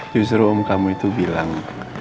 justru om kamu itu bilang